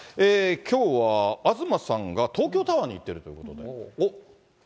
きょうは東さんが東京タワーに行っているということで。